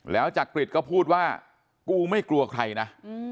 แล้วจักริตก็พูดว่ากูไม่กลัวใครนะ